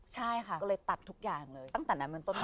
ใช่ค่ะก็เลยตัดทุกอย่างเลยตั้งแต่นั้นเป็นต้นมา